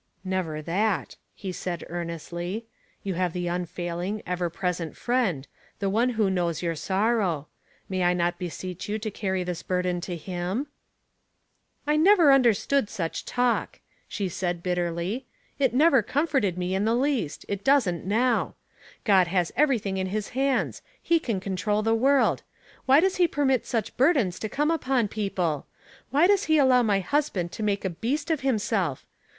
" Never that," he said, earnestly. *' You have the unfailing, ever present Friend, the One who knows your sorrow. May I not beseech you to carry this burden to him ?"" I never understood such talk," she said, bit terly. "It never comforted me in the least — it doesn't now. God has evervthing^ in his hands; he can control the world. Why does he permit such burdens to come upon people? Why does he allow my husband to make a beast of him self?